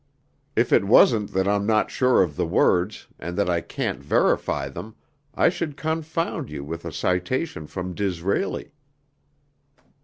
If it wasn't that I'm not sure of the words, and that I can't verify them, I should confound you with a citation from Disraeli."